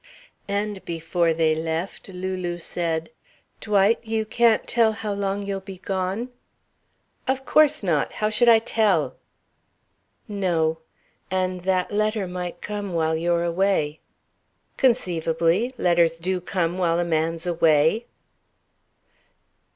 And before they left Lulu said: "Dwight you can't tell how long you'll be gone?" "Of course not. How should I tell?" "No. And that letter might come while you're away." "Conceivably. Letters do come while a man's away!"